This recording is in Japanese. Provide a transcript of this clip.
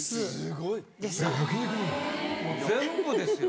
全部ですよ。